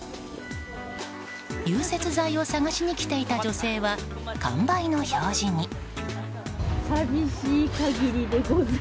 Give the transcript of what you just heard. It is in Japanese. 融雪剤を探しに来ていた女性は完売の表示に。